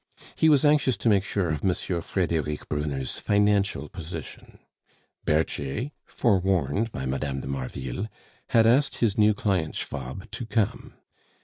He was anxious to make sure of M. Frederic Brunner's financial position. Berthier, forewarned by Mme. de Marville, had asked his new client Schwab to come.